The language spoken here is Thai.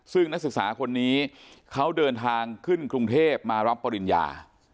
ซึ่งนักศึกษาคนนี้เขาเดินทางขึ้นกรุงเทพมารับปริญญา